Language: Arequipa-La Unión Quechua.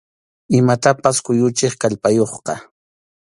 Imatapas kuyuchiq kallpayuqqa.